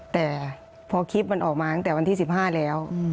แต่พอคลิปมันออกมาตั้งแต่วันที่๑๕แล้ว